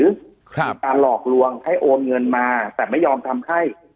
มีการหลอกลวงให้โอนเงินมาแต่ไม่ยอมทำให้